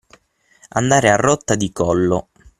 Andare a rotta di collo.